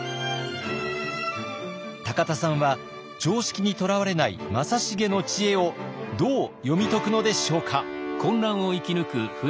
田さんは常識にとらわれない正成の知恵をどう読み解くのでしょうか。